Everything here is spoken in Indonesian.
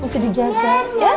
masih dijaga ya